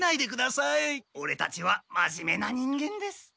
オレたちは真面目な人間です。